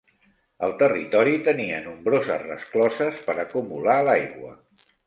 El territori tenia nombroses rescloses per acumular l'aigua.